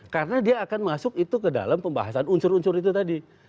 karena dia akan masuk itu ke dalam pembahasan unsur unsur itu tadi